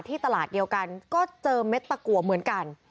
ตลาดเดียวกันก็เจอเม็ดตะกัวเหมือนกัน